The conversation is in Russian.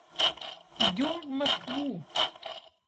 Идем в Москву!